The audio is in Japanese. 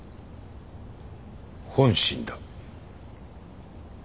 本心だ。